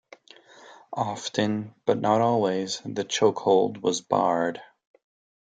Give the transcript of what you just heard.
Often, but not always, the chokehold was barred.